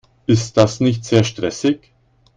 Ist das nicht sehr stressig?